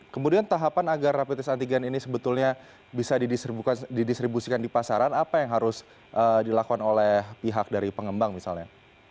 kemudian tahapan agar rapid test antigen ini sebetulnya bisa didistribusikan di pasaran apa yang harus dilakukan oleh pihak dari pengembang misalnya